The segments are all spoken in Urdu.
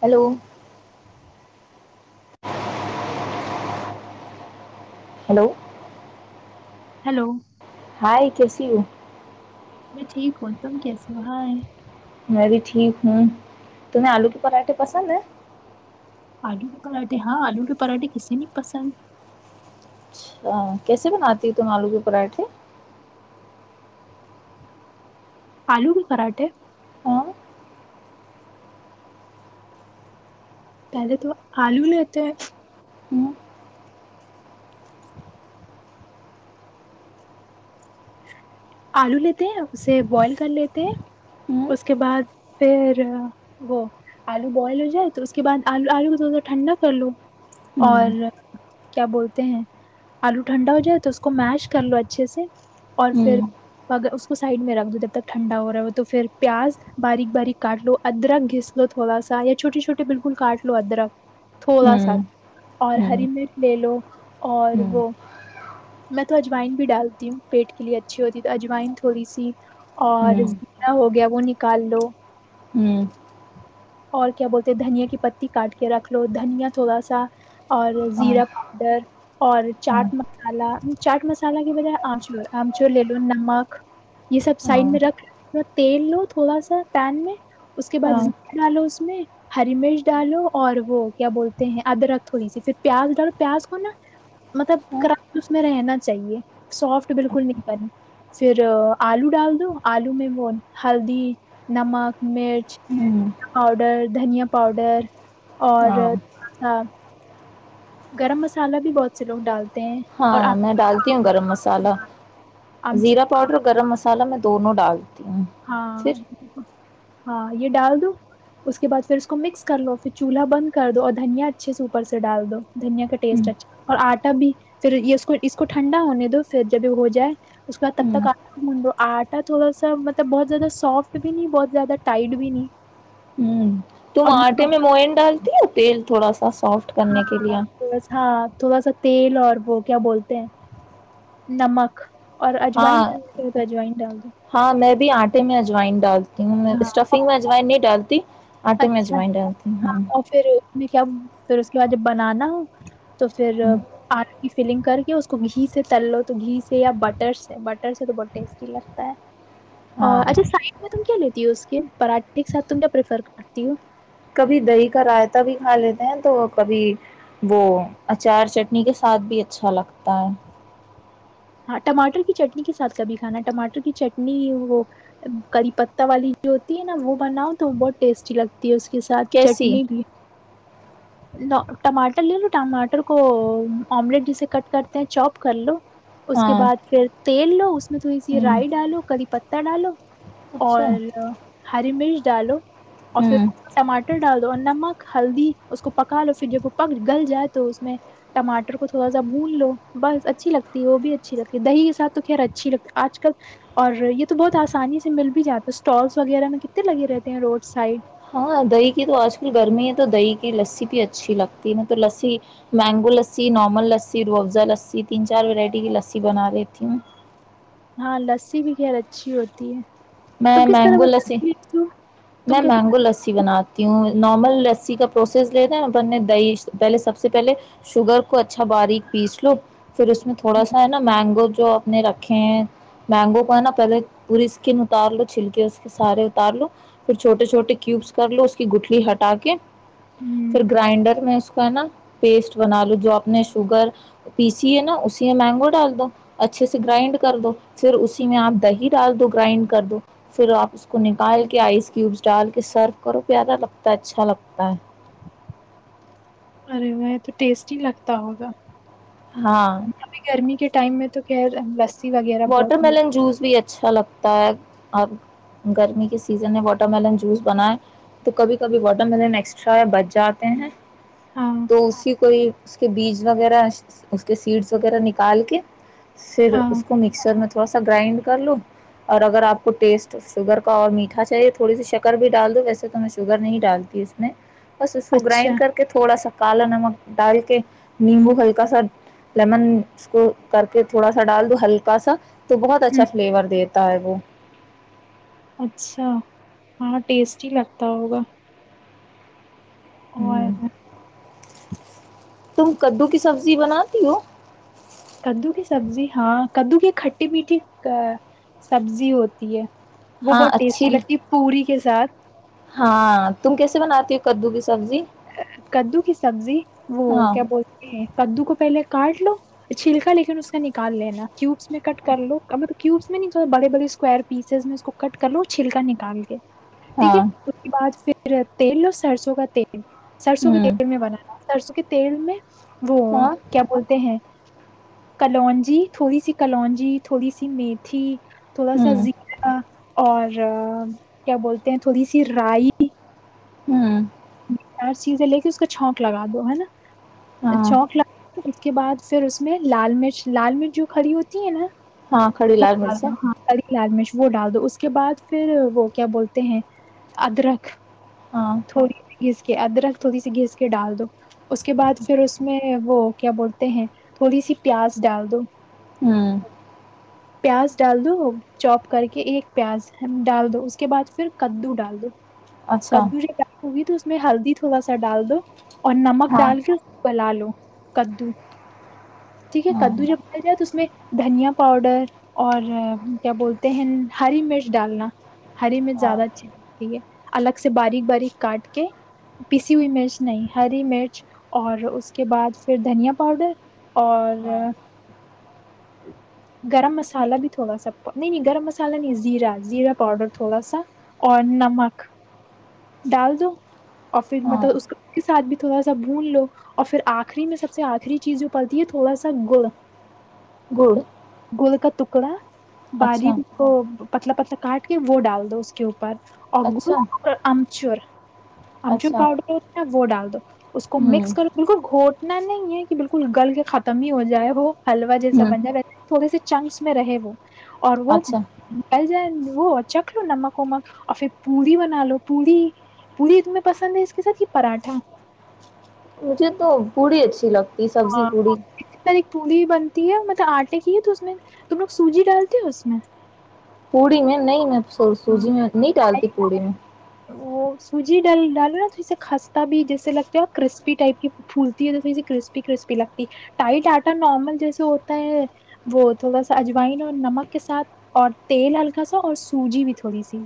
ہیلو ہلو ہیلو ہائے کیسیو میں ٹھیک ہوں تم کیسی وہاں ہے میں بھی ٹھیک ہوں تمہیں آلو کے پراٹھے پسند ہیں آلو کے پراٹھے ہاں آلو کے پراٹھے کسسی نے پسند اچھا کیسے بناتی ہو تم آلو کے پراٹھے آلو کے پراٹھے ہاں پہلے تو آلو لیتے ہیں ہوں آلو لیتے ہیں اسے بوائل کر لیتے ہیں ہوں اس کے بعد پھر وہ آلو بوائل ہو جائے تو اس کے بعدلو آلو کو تھوڑا سا ٹھنڈا کر لو اور ہوں کیا بولتے ہیں آلو ٹھنڈا ہو جائے تو اس کو میش کر لو اچھے سے اور پھر ہوں اگر اس کو سائڈ میں رکھ دو جب تک ٹھنڈا ہو رہا ہو تو پھر پیاز باریک باریک کاٹ لو ادرک گھس لو تھوا سا یا چھوٹے چھوٹے بالکل کاٹ لو ادرک تھوڑا ہوں سا اور ہوں ہری مرچ لے لو [inaudible] اور ہوں وہ میں تو اجوائن بھی ڈالتی ہوں پیٹ کے لیے اچھی ہوتی تو اجوائن تھوڑی سی اور ہوں زیرا ہو گیا وہ نکال لو ہوں اور کیا بولتے دھنیا کی پتی کاٹ کے رکھ لو دھنیا تھوڑا سا اور ہاں زیرا پاؤڈر اور ہاں چاٹ مسالہ چاٹ مسالہ کی بجائے آمچور آمچور لے لو نمک یہ سب ہاں سائڈ میں رکھ ل تیل لو تھوڑا سا پین میں اس کے بع ہاں آ لو [unintelligible] ہری مرچ ڈالو اور وہ کیا بولتے ہیں ادرک تھوڑی سی پھر پیاز ڈالو پیاز کو نا مطلب ہوں کرچ اس میں رہنا چاہیے سافٹ بالکل نہیں کرنی پھر آلو ڈال دو آلو میں وہ ہلدی نمک مرچ ہوں پاؤڈر دھنیا پاؤڈر اور ہاں گرم مسالہ بھی بہت سے لوگ ڈالتے ہیں اور ہاں آم- میں ڈالتی ہوں گرم مسالہ ہاں، زیرا آمچور پاؤڈر اور گرم مسالہ میں دونوں ڈال پھر ہاں [unintelligible] ہاں یہ ڈال دو اس کے بعد پھر اس کو مکس کر لو پھر چولہا بند کر دو اور دھنیا اچھے سے اوپر سے ڈال دو دھنیا کا ہوں ٹیسٹ اچھا اور آٹا بھی پھر یہ اس کو ٹھنڈا ہونے دو پھر جب یہ ہو جائے اس کے بعد تب ہوں تک آٹاھون دو آٹا تھوڑا سا تو بہت زیادہ سافٹ بھی نہیں بہت زیادہ ٹائٹ بھی نہیں ہوں تم اور آٹے میں نمک موئین ڈالتی ہے ہو تیل تھوڑا سا سافٹ کرنے کے ہاں لیے تھ ہاں تھوڑا سا تیل اور وہ کیا بولتے ہیں نمک اور اجوائن ہاں ڈالنا چاہے تو اجوائن ڈال دو ہاں میں بھی آٹے میں اجوائن ڈالتی ہاں اسٹفنگ میں ا جوائن نہیں ڈالتی آٹ میں اچھا جووائنٹتی ہاں ہ [unintelligible] اور پھر اس کیا پھر اس کے بعد جب بنانا ہو تو پھر آلو کی فلنگ کر کے اس کو گھی سے تل لو تو گھی سے یا بٹر سے بٹر سے تو بہت ٹیسٹی لگتا ہے ہاں اور اچھا سڈ میں تم کیا لیتی ہو اس کے پراٹھے کے ساتھ تم کیاریفر ہتیو [inaudible] کبھی دہی کا رائتا بھی کھا لیتے ہیں تو کبھی وہ اچار چٹنی کے ساتھ بھی اچھا لگتا ہے ہاں ٹماٹر کی چٹنی کے ساتھ کبھی کھانا ٹماٹر کی چٹنی وہ کری پہ والی جو ہوتی ہے نا وہ بناؤ تو بہت ٹیسٹی لگتی ہے اس اس کے ساتھ کیسی چٹنی بھی ٹماٹر لے لو ٹماٹر کو آملیٹ جسے کٹ کرتے ہیں چوپ کر لو اس ہاں کے بعد پھر تیل لو اس میں تھوڑی سی ہوں رائی ڈالو کری پتتا ڈالو اچھا اور ہری مرچ ڈالو اور پھر ہوں ٹماٹر ڈال دو اور نمک ہلدی اس کو پکا لو پھر جب وہ پک گل جائے تو اس میں ٹماٹر کو تھوڑا سا بھون لو بس اچھی لگتی ہے وہ بھی اچھی لگتی ہے دہی کے ساتھ تو خیر اچھی لگتی ہے آج کل اور یہ تو بہت آسانی سے مل بھی جاتا ہے اسٹالس وغیرہ میں کتنے لگے رہتے ہیں روڈ سائڈ ہاں دہی کی تو آج کل گرمی ہے تو دہی کی لسی بھی اچھی لگتی ہے ن تو لسی مینگو لسی نارمل لسی روح افزا لسی تین چار ورائٹی کی لسی بنا رہیتی ہوں ہاں لسی بھی خیر اچھی ہوتی ہے تم میں کس طرح مینگو لسی بناتی ہو لچو میں تم کیسے مینگو لسی بنات کیوں نارمل رسی کا پروسیس لتا نا اپنے دہی پہلے سب سے پہلے شوگر کو اچھا باریک پیس لو پھر اس میں بناتی تھوڑا سا ہے نا مینگو جو اپنے رکھے ہیں مینگو پر ہے نا پہلے پوری اسکن اتار لو چھلکے اس کے سارے اتار لو پھر چھوٹے چھوٹے کیوبس کر لو اس کی گٹھلی ہٹا کے ہو؟ ہوں پھر گرائنڈر میں اس ہے نا پیسٹ بنا لو جو آپ نے شوگر پیسی ہے نا اسی میں مینگو ڈال دو اچھے سے گرائنڈ کر دو پھر اسی میں آپ دہی ڈال دو گرائنڈ کر دو پھر آپ اس کو نکال کے آئس کیوبس ڈال کے سرو کرو پیارا لگتا ہے اچھا لگتا ہے ارے وہ تو ٹیسٹ ہی لگتا ہوگا ہے ہاں ابھی گرمی کے ٹائم میں تو [unintelligible] بہت واٹر ملن ملتی جوس بھی اچھا لگتا اب گرمی کے سیزن میں واٹر ملن جوس بنائے تو کبھی کبھی واٹر ملن ایکسٹرا بچ جاتے ہیں ہاں تو اسی کوئی کہ بیج وغیرہ اس کے سیڈس وغیرہ نکال کے پھر ہاں اس سر میں تھوڑا سا گرائنڈ کر لوں اور اگر آپ کو ٹیسٹ شوگر کا اور میٹھا چاہیے تھوڑی سی شکر بھی ڈال دو ویسے تو میں شوگر نہیں ڈالتی اس میں بس اس کو اچھا گرائنڈ کر کے تھوڑا سا کالا نمک ڈال کے نیمبو ہلکا سا لیمن اس کو کر کے تھوڑا سا ڈال دو ہلکا [unintelligible] تو بہت اچھا ہوں فلیور دیتا ہے وہ اچھا ہاں ٹیسٹی ہی لگتا ہوگا اور ہ تم کدو کی سبزی بناتی ہو کدو کی سبزی ہاں کدو کی کھٹی میٹھی سبزی ہوتی ہے وہ ہاں بہت اچھی ٹیسٹی لگتی پوری کے ساتھ ہاں تم کیسے بناتی ہو کدو کی سبزی کدو کی سبزی وہ ہاں کیا بولتے ہیں کدو کو پہلے کاٹ لو چھلکا لیکن اس کا نکال لینا کیوبس میں کٹ کر لو مطلب کیوبس میں نہیں بڑے بڑے اسکور پیسز میں اس کو کٹ کر لو چھلکا نکال کےے ٹھیک ہے ہاں اس کے بعد پھر تیل لو سرسوں کا تیل سرسوں کے ہوں تیل میں بنانا سرسوں کے تیل میں وہ ہاں کیا بولتے ہیں کلونجی تھوڑی سی کلونجی تھوڑی سی میتھی تھوڑا سا ہوں زیر اور کیا بولتے ہیں تھوڑی سی رائی ہوں چیزیں لے کے اس کا چھونک لگا دو ہے نا ہاں چوک کے بعد پھر اس میں لال مرچ لال مرچ جو کھڑی ہوتی ہے نا ہاں کھڑی لال اچ مرچیں ہاں خیال میں وہ ڈال دو اس کے بعد پھر وہ کیا بولتے ہیں ادرک ہاں تھوڑی [unintelligible] گھس کے ادرک تھوڑی سی گھس کے ڈال دو اس کے بعد پھر اس میں وہ کیا بولتے ہیں تھوڑی سی پیاز ڈال دو ہوں پیاز ڈال دو چوپ کر کے ایک پیاز ڈال دو اس کے بعد پھر کدو ڈال دو اچھا کدو جب ڈال تو اس میں ہلدی تھوڑا ڈال دو اور نمک ہاں ڈال کے ل لو کددو ٹھیک ہے ہاں کدو جب ڈیا جائے تو اس میں دھنیا پاؤڈر اور کیا بولتے ہیں ہری مرچ ڈالنا ہری میں ہاں زیادہ اچھی لگتی ہے الگ سے باریک باریک کاٹ کے پیسی ہوئی مرچ نہیں ہری مرچ اور اس کے بعد پھر دھنیا پاؤڈر اور ہاں گرم مسالہ بھی تھوڑا سا نہیں نہیں گرم مسالہ نہیں زیرا زیرا پاؤڈر تھوڑا سا اور نمک ڈال دو اور پھر ہاں مطلب اس اس کے ساتھ بھی تھوڑا سا بھون لو اور پھر آخری میں سب سے آخری چیز جو پڑتی ہے تھوڑا سا گڑ گڑ گول کا تکڑا باری اچھا کو پتلا پتلا کاٹ کے وہ ڈال دو اس کے اوپر اچھا اگولچور ہم جو اچھا پؤڈر ہوتا نا وہ ڈال دو اس کو مکس ہوں کر بالکل گھٹ نہ نہیں یہ کہ بالکل گل کے ختم ہی ہو جائے وہ حلوا سب ہوں بندھہ رہتا تھوڑے س سے چنکس میں رہے وہ اور وہ اچھا مل جائے نا وہ چکھ لو نمک ومک اور پھر پوری بنا لو پوڑی پورڑی تمہیں پسند ہے اس کے ساتھ یہ پراٹھا مجھے تو بوڑھی اچھی لگتی یہ سبزی ہاں پوڑی اسی طرح ایک پوری بنتی ہے مطلب آٹے کی ہے تو اس میں تم لوگ سوجی ڈالتے ہو اس میں پڑی میں نہیں میں س سوجی ہاں میں نہیں ڈالتی اڑین وہ سوجی ڈل ڈالو نا تھوڑی سا خستہ بھی جیسے لگتا ہے اور کرسپی ٹائپ کی پھولتی ہے تو تھوڑی سی کرسپی کرسپی لگتی ہے ٹائٹ آٹا نارمل جیسے ہوتا ہے وہ تھوڑا سا اجوائن اور نمک کے ساتھ اور تیل ہلکا سا اور سوجی بھی تھوڑی سی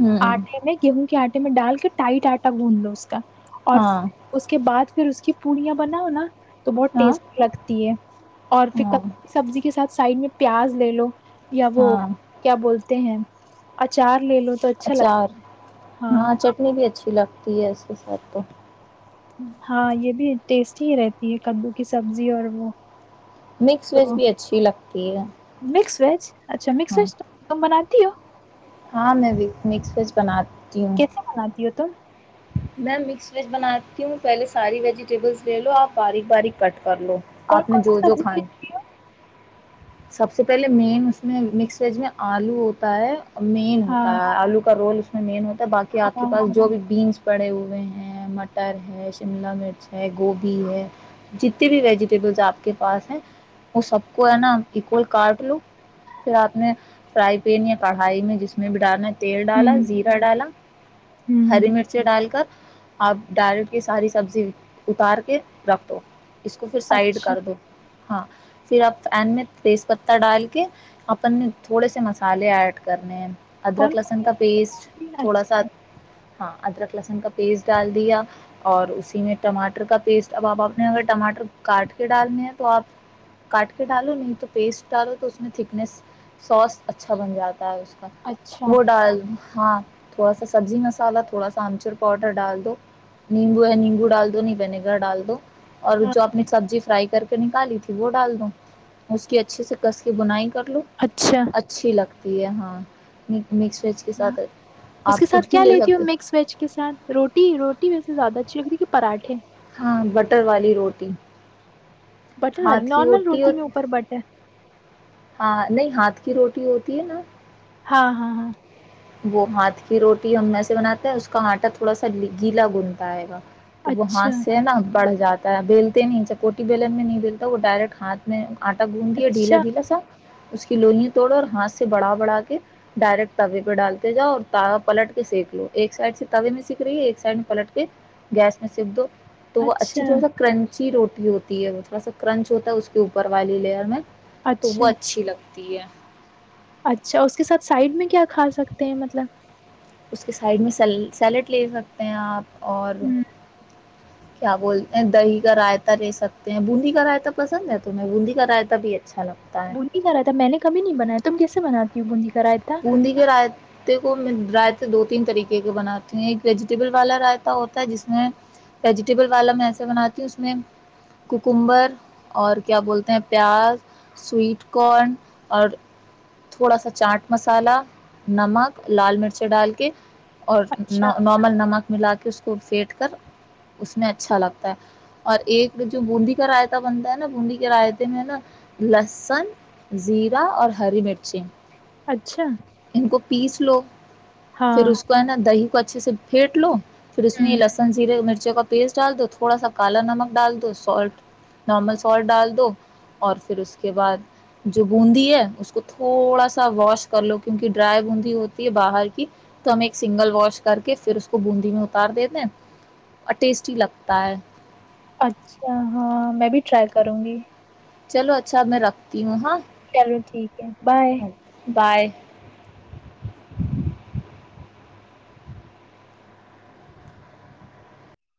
ہوں کہوں کیا میں ڈال کے ٹائٹ آٹا گونھ لو اس کا اور ہاں اس کے بعد پھر اس کی پڑیاں بناؤ نا تو بہت ہاں ٹیسٹی لگتی ہے اور پھر ک ہاں کی سبزی کے ساتھ سائڈ میں پیاز لے لو یا وہ ہاں کیا بولتے ہیں اچار لے لو تو اچھا اچار لگتا ہے ہاں چٹنی اچھی لگتی ہے اس کے ساتھ تو ہاں یہ بھی ٹیسٹی ہی رہتی ہے کدو کی سبزی اور وہ مکس ویج تو بھی اچھی لگتی ہے مکس ویج اچھا مسر ہاں تم بناتی ہو ہاں میں مکس ویج بناات کیسے بناتی ہو تم میں مکس ویج بناتی ہوں پہلے ساری ویجیٹیبلس لے لو آپ باریک باریک کٹ کر لو کون آپ نے کون سی جو جو سبزی کے کھان لیے؟ سب سے پہلے مین اس میں مکس ویج میں آلو ہوتا ہے مین ہوتا ہاں ہے آلو کا رول [unintelligible] باقی آ کے ہاں پس ہوں جو بھی بینس پڑے ہوئے ہیں مٹر ہے شملہ مرچ ہے گوبھی ہے جتنے بھی ویجیٹیبلس آپ کے پاس ہیں وہ سب کو ہے نا کو کاٹ لوں پھر آپ نے فرائی پین یا کڑھائی میں جس میں بھی ڈالنا تیل ڈالا زیرا ڈالا ہوں ہری مرچی ڈال کر آپ ڈال کی ساری سبزی اتار کے رکھ دو اس کو پھر سائڈ اچھا کر دو ہاں پھر آپ ا تیز پتہ ڈال کے اپنے تھوڑے سے مسالے ایڈ کرنے کون ادرک لہسن کون کا سی پیسٹ سبزی؟ تھوڑا اچھا سا ہاں ادرک لسن کا پیسٹ ڈال دیا اور اسی میں ٹماٹر کا پیسٹ اب آپ آپ نے اگر ٹماٹر کاٹ کے ڈالنے ہیں تو آپ کاٹ کے ڈالو نہیں تو پیسٹ ڈالو تو اس میں تھکنیس سوس اچھا بن جاتا اس کا اچھا وہ ڈال ہاں تھوڑا سا سبزی مسالہ تھوڑا سا آمچور پاؤڈر ڈال دو نیمبو ہے نیمبو ڈال دو نہیں ونییگر ڈال دو اور ہاں جو اپنی سبزی فرائی کر کے نکالی تھی وہ ڈال دووں اس کی اچھی سے کس کی بنائی کر لوں اچھا اچھی لگتی تی ہاں مکس ویج کے ہاں ساتھ اس کے آپ ساتھ کچھ بھی کیا لے لیتی سکتے ہوں مکس ویج کے ساتھ روٹی روٹی ویس زیادہ کہ پراھے ہاں بٹر والی روٹی بٹر والی ہاتھ کی نارمل روٹی میں ہوتی، اوپر بٹر ہاں نہیں ہاتھ کی روٹی ہوتی ہے نا ہاں ہاں ہاں وہ ہاتھ کی روٹی ہم میں سے بناتے ہے اس کا آٹا تھوڑا سا گیلا گنتا آئے گا تو وہاں اچھا سے نا بڑھ جاتا ہے بیلتے نہیں چپوٹی بیلن میں نہیں بیلتا وہ ڈائریکٹ ہاتھ میں آٹا گوند دیاے ڈھییلا اچھا ڈھیلا سا اس کی لوئں توڑو اور ہاتھ سے بڑا بڑا کے ڈائریکٹ تے پہ ڈالتے جاؤ اور تاا پلٹ کے سینیک لو ایک سائڈ سے توے میں سیککھ رہی ہے ایک سائڈ میں پلٹ کے گیس میں سینک دو تو وہ اچھا اچھی تھوڑا سا کرنچی روٹی ہوتی ہے وہ تھوڑا سا کرنچ ہوتا ہے اس کے اوپر والی لیئر میں تو اچھا وہ اچھی لگتی تی ہے اچھا اس کے ساتھ سائڈ میں کیا کھا سکتے ہیں مطلب اس کے سائڈ میں سیلڈ لے سکتے ہیں آپ اور ہوں کیا بولتے ہیں دہی کا رائتا رہے سکتے ہیں بوندی کا رائتا پسند ہے تمہیں بندی کا راتا بھی اچھا لگتا ہے بول نہیں جا رہا تھا میں نے کبھی نہیں بنایا تم کیس بناتیوں بندی انی کر راائے کو میں رائتے دو تین طریقے کے بناتی ایک ویجیٹیبل والا رائتا ہوتا ہے جس میں ویجیٹیبل والا میں ایسے بناتی ہوں اس میں کوکمبر اور کیا بولتے ہیں پیاز سویٹ کارن اور تھوڑا سا چاٹ مسالہ نمک لال مرچ ڈال کے اور اچھا نارمل نمک ملا کے کہ اس کو پھینٹ کر اس میں اچھا لگتا ہے اور ایک جو بوندی کا رائتا بنتا ہے نا بوندی کے رائتے میں نا لسن زیرا اور ہری مرچی اچھا بیس لوگ پھر ہاں اس کو ہے ن آ د ہی اس کو اچھے سے پھینٹ لو پھر اس میں یہ ہوں لہسن زیرے مرچ کچے کا پیسٹ ڈال دو تھوڑا سا کالا نمک ڈال دو سالٹ نارمل سالٹ ڈال دو اور پھر اس کے بعد جو بوندی ہے اس کو تھوڑا سا ا واش کر لو کیونکہ ڈرائی بوندی ہوتی ہے باہر کی تو ہم ایک سنگل واش کر کے پھر اس کو بوندی میں اتار دیتے ہیں اور ٹیسٹی لگتا ہے اچھا ہاں میں بھی ٹرائی کروں گی چلو اچھاب میں رکھتی ہوں ہاں چلو ٹھیک ہے بائے بائے